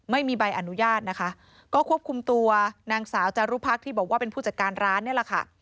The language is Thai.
ไม่มีใบอนุญาตนะคะก็ควบคุมตัวนางสาวจารุพักที่บอกว่าเป็นผู้จัดการร้านนี่แหละค่ะ